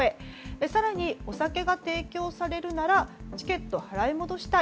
更に、お酒が提供されるならチケット払い戻したい。